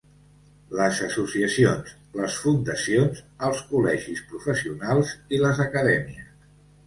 Les associacions, les fundacions, els col·legis professionals i les acadèmies.